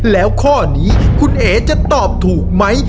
แล้วข้อนี้คุณเอ๋จะตอบถูกไหม